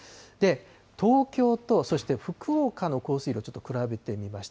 東京とそして福岡の降水量、ちょっと比べてみました。